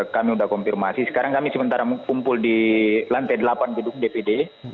kami sudah konfirmasi sekarang kami sementara kumpul di lantai delapan gedung dpd